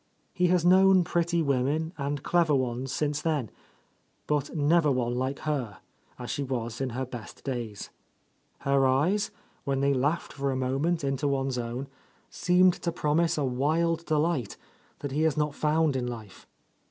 He has known pretty women and clever ones since then, — ^but never one like her, as she was in her best days. Her eyes, when they laughed for a moment into one's own, seemed to promise a wild delight that he has not found in life.